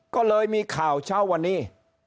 ก็เลยมีข่าวเช้าวันนี้